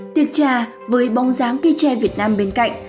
tiệc trà với bóng dáng cây tre việt nam bên cạnh